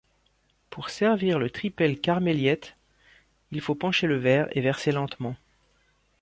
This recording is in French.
Pour servir la Tripel Karmeliet, il faut pencher le verre et verser lentement.